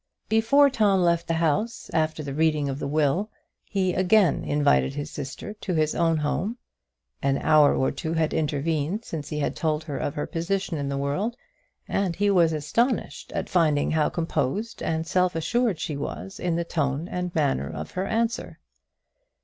Before Tom left the house, after the reading of the will, he again invited his sister to his own home. An hour or two had intervened since he had told her of her position in the world, and he was astonished at finding how composed and self assured she was in the tone and manner of her answer.